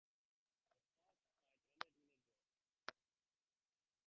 This first fight ended in a draw.